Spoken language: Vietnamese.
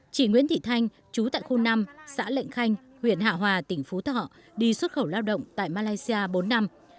chị nguyễn thị thanh chú tại khu năm xã lệnh khanh huyện hạ hòa tỉnh phú thọ đi xuất khẩu lao động tại malaysia bốn năm